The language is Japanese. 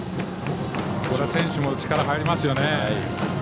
選手も力入りますよね。